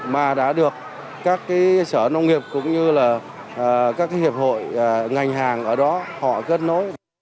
mà đã được các sở nông nghiệp cũng như là các hiệp hội ngành hàng ở đó họ kết nối